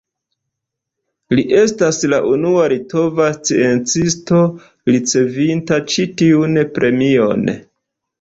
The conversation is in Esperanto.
Li estas la unua litova sciencisto ricevinta ĉi tiun premion.